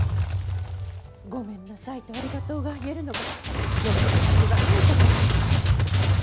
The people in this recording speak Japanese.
「ごめんなさい」と「ありがとう」が言えるのが暢子の一番いいところ。